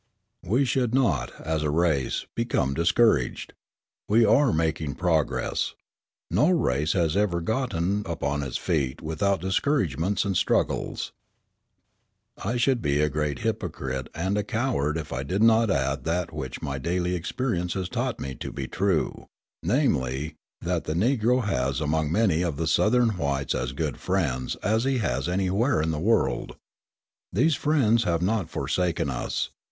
We should not, as a race, become discouraged. We are making progress. No race has ever gotten upon its feet without discouragements and struggles. I should be a great hypocrite and a coward if I did not add that which my daily experience has taught me to be true; namely, that the Negro has among many of the Southern whites as good friends as he has anywhere in the world. These friends have not forsaken us.